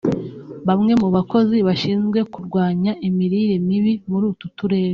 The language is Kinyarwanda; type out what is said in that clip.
Bamwe mu bakozi bashinzwe kurwanya imirire mibi muri utu turere